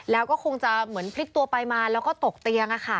แล้วก็คงจะเหมือนพลิกตัวไปมาแล้วก็ตกเตียง